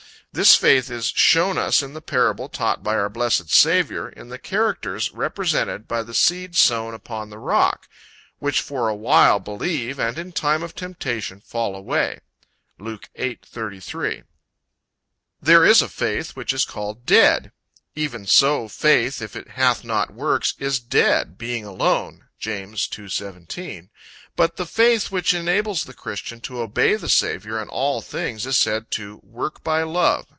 This faith is shown us in the parable taught by our blessed Saviour, in the characters represented by the seed sown upon the rock, "which for a while believe, and in time of temptation fall away." (Luke 8: 33.) There is a faith which is called dead. "Even so faith, if it hath not works, is dead, being alone." (James 2: 17.) But the faith which enables the christian to obey the Saviour in all things, is said to "work by love."